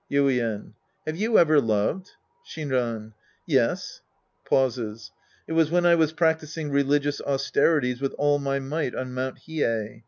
Yuien. Have you ever loved ? Shinran. Yes. {Pauses.) It was when I was practising religious austerities with all my might on Mt. Hiei.